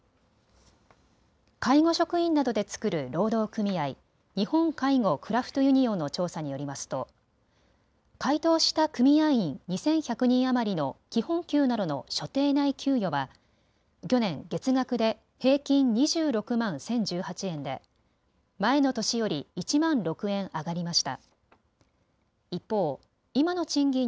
介護職員などで作る労働組合日本介護クラフトユニオンの調査によりますと回答した組合員２１００人余りの基本給などの所定内給与は去年、月額で平均２６万１０１８円で前の年より１万６円上がりました。